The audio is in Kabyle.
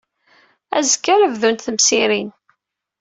Azekka ara bdunt temsirin.